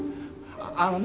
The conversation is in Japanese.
あのね